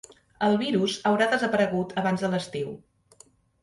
El virus haurà desaparegut abans de l'estiu.